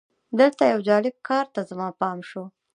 دلته یو جالب کار ته زما پام شو.